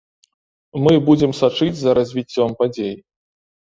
Мы будзем сачыць за развіццём падзей.